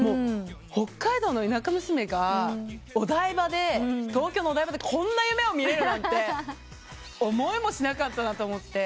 北海道の田舎娘が東京のお台場でこんな夢を見られるなんて思いもしなかったなと思って。